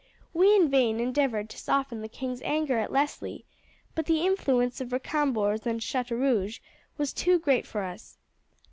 We in vain endeavoured to soften the king's anger against Leslie, but the influence of Recambours and Chateaurouge was too great for us.